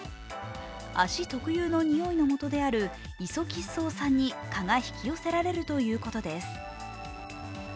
足特有のにおいのもとであるイソ吉草酸に蚊が引き寄せられるということです。